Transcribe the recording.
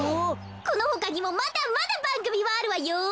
このほかにもまだまだばんぐみはあるわよ。